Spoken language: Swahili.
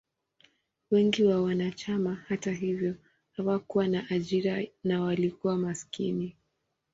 Wengi wa wanachama, hata hivyo, hawakuwa na ajira na walikuwa maskini.